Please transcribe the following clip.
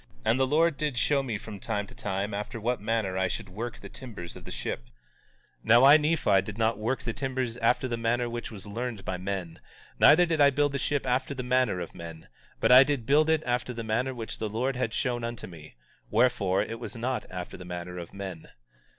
And the Lord did show me from time to time after what manner I should work the timbers of the ship. 18:2 Now I, Nephi, did not work the timbers after the manner which was learned by men, neither did I build the ship after the manner of men; but I did build it after the manner which the Lord had shown unto me; wherefore, it was not after the manner of men.